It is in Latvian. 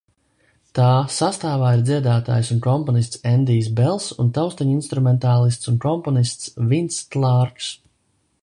Tā sastāvā ir dziedātājs un komponists Endijs Bels un taustiņinstrumentālists un komponists Vinss Klārks.